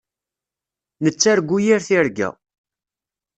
Nettargu yir tirga.